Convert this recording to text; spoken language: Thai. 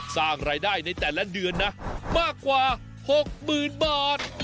สร้างรายได้ในแต่ละเดือนนะมากกว่า๖๐๐๐บาท